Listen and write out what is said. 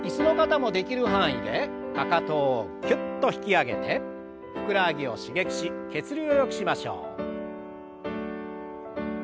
かかとをキュッと引き上げてふくらはぎを刺激し血流をよくしましょう。